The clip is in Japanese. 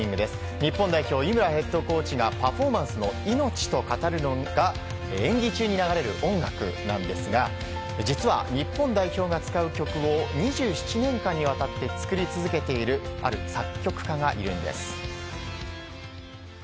日本代表、井村ヘッドコーチがパフォーマンスの命と語るのが演技中に流れる音楽なんですが実は日本代表が使う曲を２７年間にわたって作り続けているある作曲家がいるんです。